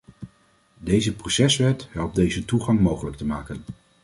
Deze proceswet helpt deze toegang mogelijk te maken.